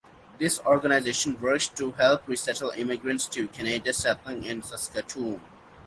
This organization works to help resettle immigrants to Canada settling in Saskatoon.